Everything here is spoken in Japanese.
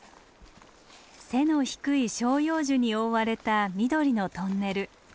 背の低い照葉樹に覆われた緑のトンネル。